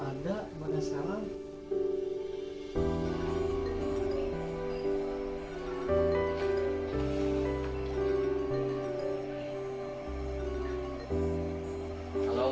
ternyata belum ada bagaimana sekarang